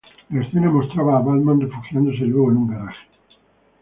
La escena mostraba a Batman refugiándose luego en un garage.